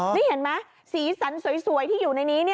นี่เห็นไหมสีสันสวยที่อยู่ในนี้